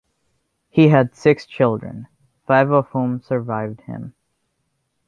He had six children, five of whom survived him.